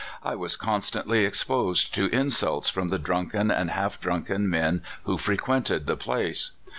I was constantly exposed lo insults from the drunken and half drunken 'iniiu who frequented the place.